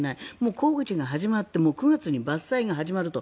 工事が始まって９月に伐採が始まると。